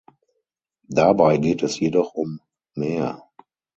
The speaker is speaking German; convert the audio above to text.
Dabei geht es jedoch um mehr.